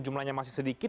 jumlahnya masih sedikit